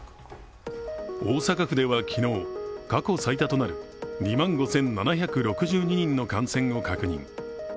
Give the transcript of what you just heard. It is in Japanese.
大阪府では昨日、過去最多となる２万５７６２人の感染を確認。